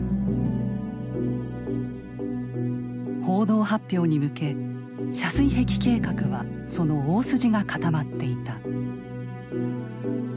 報道発表に向け遮水壁計画はその大筋が固まっていた。